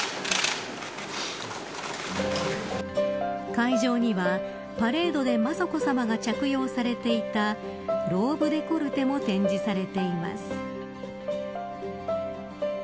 会場には、パレードで雅子さまが着用されていたローブ・デコルテも展示されています。